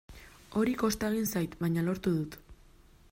Hori kosta egin zait, baina lortu dut.